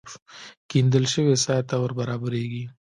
کېندل شوې څاه ته ور برابرېږي.